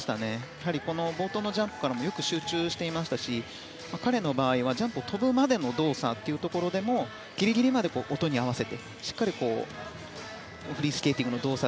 やはり冒頭のジャンプからよく集中していましたし彼の場合はジャンプを跳ぶまでの動作でもぎりぎりまで音に合わせてしっかりスケーティングの動作